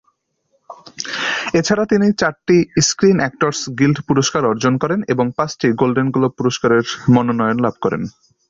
এছাড়া তিনি চারটি স্ক্রিন অ্যাক্টরস গিল্ড পুরস্কার অর্জন করেন এবং পাঁচটি গোল্ডেন গ্লোব পুরস্কারের মনোনয়ন লাভ করেন।